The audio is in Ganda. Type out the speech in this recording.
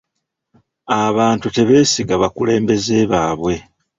Abantu tebeesiga bakulembeze baabwe.